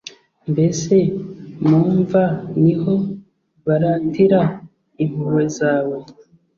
Mbese mu mva ni ho baratira impuhwe zawe